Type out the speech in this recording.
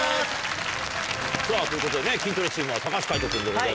さぁということで「キントレチーム」は橋海人君でございます。